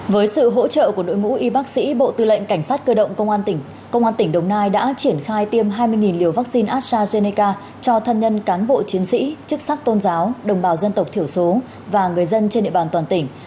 với sự hỗ trợ của đội ngũ y bác sĩ bộ tư lệnh cảnh sát cơ động công an tỉnh công an tỉnh đồng nai đã triển khai tiêm hai mươi liều vaccine astrazeneca cho thân nhân cán bộ chiến sĩ chức sắc tôn giáo đồng bào dân tộc thiểu số và người dân trên địa bàn toàn tỉnh